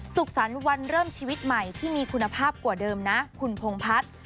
สุขสรรค์วันเริ่มชีวิตใหม่ที่มีคุณภาพกว่าเดิมนะคุณพงพัฒน์